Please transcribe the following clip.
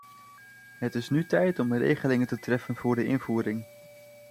Het is nu tijd om regelingen te treffen voor de invoering.